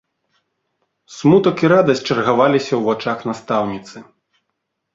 Смутак і радасць чаргаваліся ў вачах настаўніцы.